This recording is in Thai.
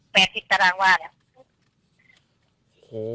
แปดอีกตรังว่าเนี่ยโห